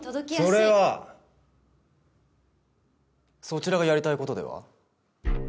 それはそちらがやりたい事では？